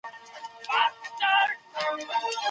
هغوی د خپلو لوڼو خبرو ته هيڅ توجه نه کوي.